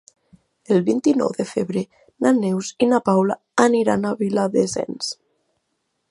El vint-i-nou de febrer na Neus i na Paula aniran a Viladasens.